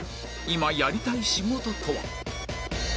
今やりたい仕事とは？